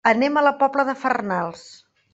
Anem a la Pobla de Farnals.